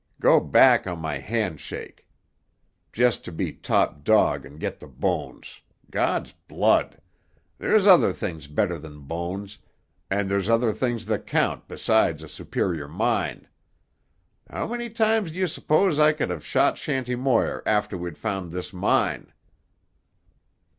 Go back on my hand shake, just to be top dog and get the bones! God's blood! There's other things better than bones, and there's other things that count besides a superior mind. How many times do you suppose I could have shot Shanty Moir after we'd found this mine?"